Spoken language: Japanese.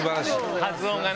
発音がね。